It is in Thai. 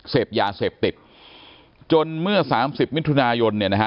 เสพยาเสพติดจนเมื่อสามสิบมิถุนายนเนี่ยนะฮะ